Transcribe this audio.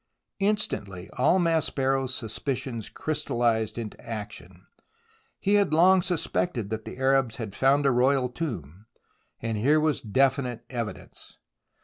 Instantly all Maspero's suspicions crystallized into action. He had long suspected that the Arabs had found a royal tomb, and here was definite evidence.